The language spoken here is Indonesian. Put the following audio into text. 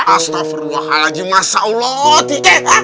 astaghfirullahaladzim masya allah tika